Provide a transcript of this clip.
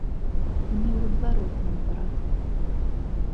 Не ў адваротным парадку.